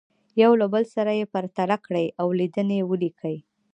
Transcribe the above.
یو له بل سره یې پرتله کړئ او لیدنې ولیکئ.